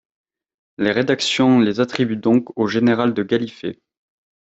Les rédactions les attribuent donc au général de Galliffet.